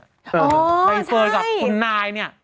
ไปเปิดกับคุณนายเนี่ย